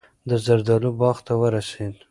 د زردالو باغ ته ورسېد.